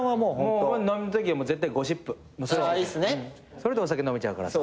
それでお酒飲めちゃうからさ。